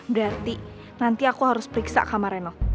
berarti nanti aku harus periksa kamar renov